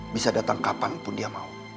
bisa datang kapanpun dia mau